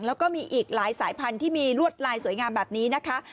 แล้วก็มีอีกหลายสายพันธุ์ที่มีลวดลายสวยงามแบบนี้นะคะ